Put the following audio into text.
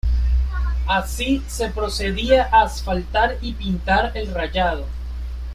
Así, se procedía a asfaltar y a pintar el rayado.